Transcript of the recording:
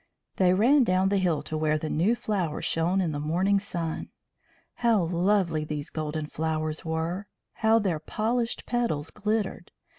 They ran down the hill to where the new flowers shone in the morning sun. How lovely these golden flowers were! How their polished petals glittered!